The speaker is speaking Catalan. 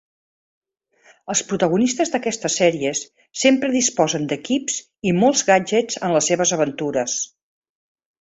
Els protagonistes d'aquestes sèries sempre disposen d'equips i molts gadgets en les seves aventures.